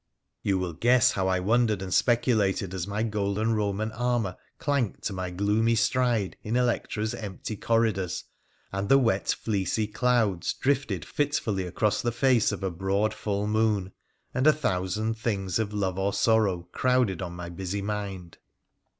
You will guess how I wondered and speculated as my golden Roman armour clanked to my gloomy stride in Electra's empty corridors, and the wet fleecy clouds drifted fitfully across the face of a broad full moon, and a thousand things of love or sorrow crowded on my busy mind.